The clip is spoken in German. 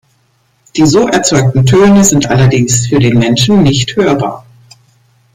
Die so erzeugten Töne sind allerdings für den Menschen nicht hörbar.